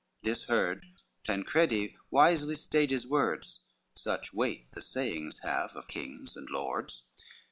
This heard, Tancredi wisely stayed his words, Such weight the sayings have of kings and lords.